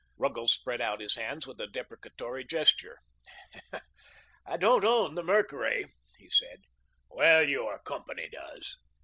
Ruggles spread out his hands with a deprecatory gesture. "I don't own the 'Mercury,'" he said. "Well, your company does."